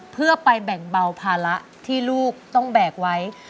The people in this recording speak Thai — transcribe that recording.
เพื่อไปแบ่งเบาภาระที่ลูกต้องแบกไว้